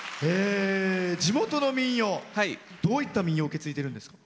地元の民謡どういった民謡を受け継いでいるんですか？